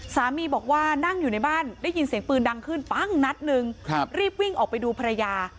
สามีบอกว่านั่งอยู่ในบ้านได้ยินเสียงปืนดังขึ้นปั้งนัดหนึ่งรีบวิ่งออกไปดูภรรยา